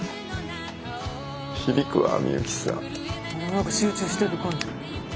なんか集中してる感じ。